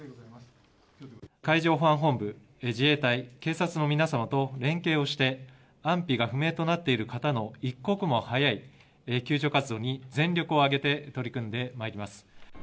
「海上保安部、自衛隊警察と連携して安否が不明となっている方の一刻も早い救助活動に全力を挙げて取り組んでまいります」